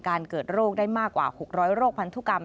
เกิดโรคได้มากกว่า๖๐๐โรคพันธุกรรม